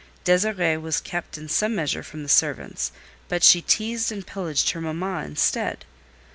Désirée was kept in some measure from the servants, but she teased and pillaged her mamma instead.